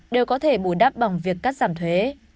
đều có thể bù đắp bằng việc cắt giảm thuế